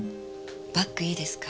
バッグいいですか？